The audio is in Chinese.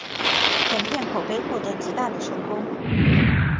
本片口碑获得极大的成功。